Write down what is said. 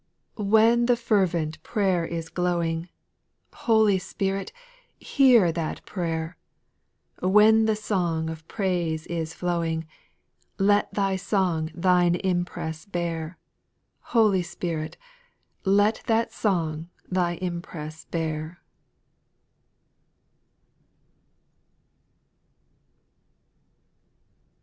3. When the fervent prayer is glowing. Holy Spirit, hear that prayer ; When the song of praise is flowing, Let that song Thine impress bear, lloly Spirit, Let that song Thine impress bear.